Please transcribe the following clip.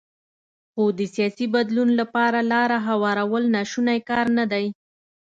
خو د سیاسي بدلون لپاره لاره هوارول ناشونی کار نه دی.